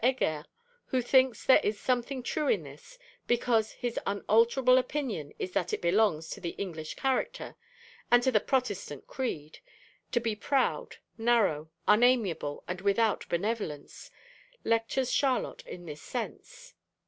Heger, who thinks there is something true in this, because his unalterable opinion is that it belongs to the English character, and to the Protestant creed, to be proud, narrow, unamiable and without benevolence, lectures Charlotte in this sense.